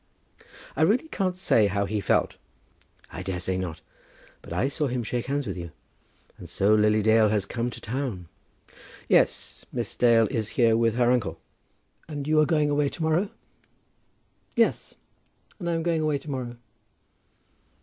"I really can't say how he felt." "I daresay not; but I saw him shake hands with you. And so Lily Dale has come to town?" "Yes, Miss Dale is here with her uncle." "And you are going away to morrow?" "Yes, and I am going away to morrow."